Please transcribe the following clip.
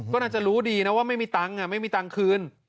ก็น่าจะรู้ดีนะว่าไม่มีตังค์คืน